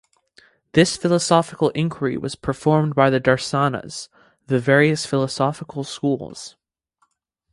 This philosophical inquiry was performed by the darsanas, the various philosophical schools.